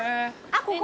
ここ？